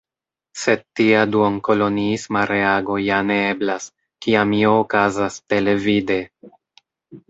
Sed tia duon-koloniisma reago ja ne eblas, kiam io okazas televide.